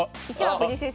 藤井先生。